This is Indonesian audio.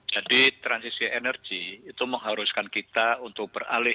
jadi transisi energi itu mengharuskan kita untuk beralih